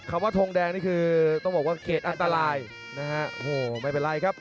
คำว่าทงแดงนี่คือต้องบอกว่าเกรดอันตรายนะฮะโอ้โหไม่เป็นไรครับ